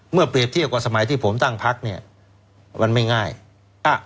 เปรียบเทียบกับสมัยที่ผมตั้งพักเนี่ยมันไม่ง่ายอ่ะ